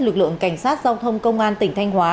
lực lượng cảnh sát giao thông công an tỉnh thanh hóa